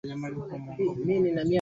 Abiria wanne wamepanda gari.